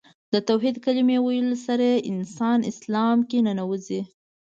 د توحید کلمې ویلو سره انسان اسلام کې ننوځي .